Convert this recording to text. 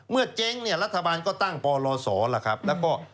เมื่อเจ๊งรัฐบาลก็ตั้งปลศแล้วก็